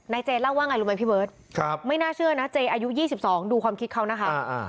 เจเล่าว่าไงรู้ไหมพี่เบิร์ตไม่น่าเชื่อนะเจอายุ๒๒ดูความคิดเขานะคะ